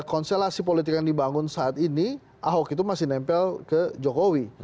karena memang konselasi politik yang dibangun saat ini ahok itu masih nempel ke jokowi